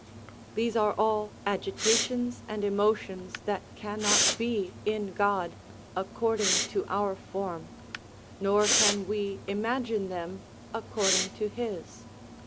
These are all agitations and emotions that cannot be in God, according to our form, nor can we imagine them, according to his.